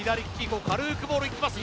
もう軽くボールいきます